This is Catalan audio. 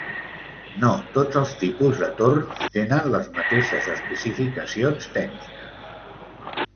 No tots els tipus de torns tenen les mateixes especificacions tècniques.